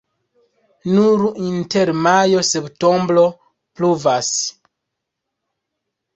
Nur inter majo-septembro pluvas.